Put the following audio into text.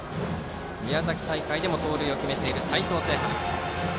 宮崎大会でも盗塁を決めている齊藤聖覇。